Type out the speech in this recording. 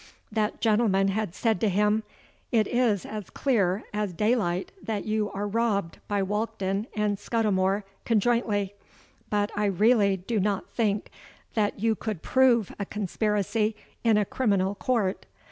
That gentleman had said to him, 'It is as clear as day light that you are robbed by Walkden and Scudimore conjointly; but I really do not think that you could prove a conspiracy in a criminal court.